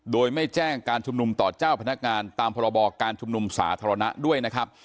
โดยไม่แจ้งการชุมนุมต่อเจ้าพนักงานตามพรบการชุมนุมสาธารณะด้วยนะครับ